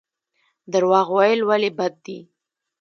درواغ ویل ولې بد دي؟